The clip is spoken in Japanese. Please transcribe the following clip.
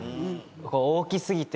大き過ぎて。